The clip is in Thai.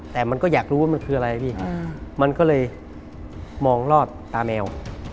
แต่มันก็อยากรู้ว่ามันคืออะไรพี่มันก็เลยมองรอดตาแมว